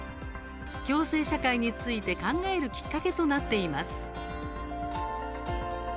共生社会について考えるきっかけとなっています。